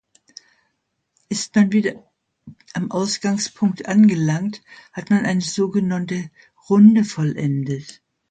Ist man wieder am Ausgangspunkt angelangt, hat man eine sogenannte Runde vollendet.